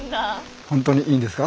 本当にいいんですか？